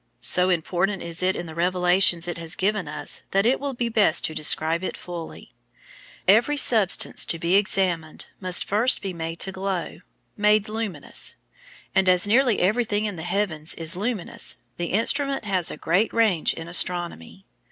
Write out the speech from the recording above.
So important is it in the revelations it has given us that it will be best to describe it fully. Every substance to be examined must first be made to glow, made luminous; and as nearly everything in the heavens is luminous the instrument has a great range in Astronomy.